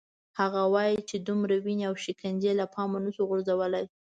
هغه وايي چې دومره وینې او شکنجې له پامه نه شو غورځولای.